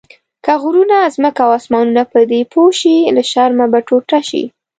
که غرونه، ځمکه او اسمانونه پدې پوه شي له شرمه به ټوټه شي.